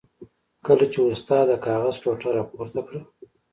کله چې استاد د کاغذ ټوټه را پورته کړه.